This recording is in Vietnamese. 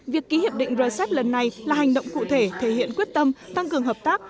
việc ký hiệp định rcep lần này là hành động cụ thể thể hiện quyết tâm tăng cường hợp tác